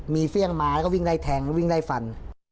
มีเฟียคมามีไถ่ท็งมีไถ่ฟัน